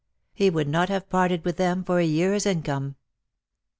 He would not have parted with them for a year's income.